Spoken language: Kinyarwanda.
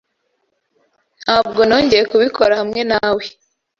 Ntabwo nongeye kubikora hamwe nawe.